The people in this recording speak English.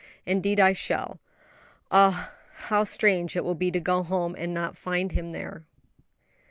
"Indeed I shall. Ah, how strange it will be to go home and not find him there."